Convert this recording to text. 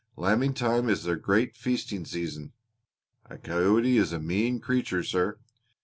Lambing time is their great feasting season. A coyote is a mean creature, sir.